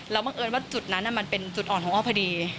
บังเอิญว่าจุดนั้นมันเป็นจุดอ่อนของอ้อพอดี